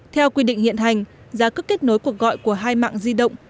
theo quy định hiện hành giá cước kết nối cuộc gọi của hai mạng di động